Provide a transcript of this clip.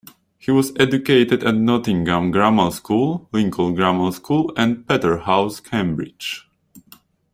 He was educated at Nottingham Grammar School, Lincoln Grammar School and Peterhouse, Cambridge.